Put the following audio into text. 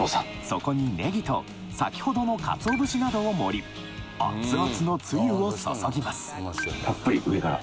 そこにネギとさきほどのかつお節などを盛り熱々のつゆを注ぎますたっぷり上から。